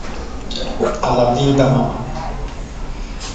Alapínta mamá